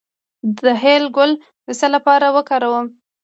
د هل ګل د څه لپاره وکاروم؟